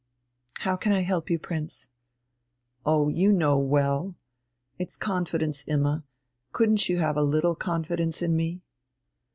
"How can I help you, Prince?" "Oh, you know well! It's confidence, Imma; couldn't you have a little confidence in me?"